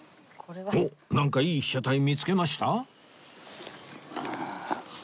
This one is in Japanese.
おっなんかいい被写体見つけました？